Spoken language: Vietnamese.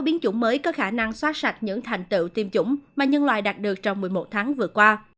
biến chủng mới có khả năng soát sạch những thành tựu tiêm chủng mà nhân loại đạt được trong một mươi một tháng vừa qua